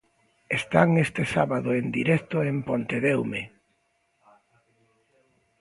Están este sábado en directo en Pontedeume.